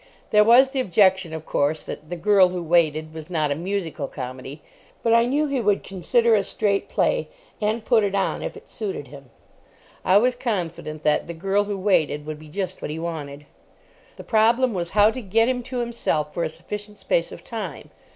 There was the objection, of course, that The Girl who Waited was not a musical comedy, but I knew he would consider a straight play, and put it on if it suited him. I was confident that The Girl who Waited would be just what he wanted. The problem was how to get him to himself for a sufficient space of time.